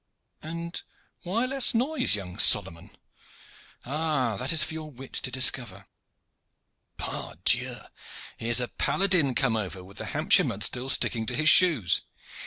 "And why less noise, young Solomon?" "Ah, that is for your wit to discover." "Pardieu! here is a paladin come over, with the Hampshire mud still sticking to his shoes.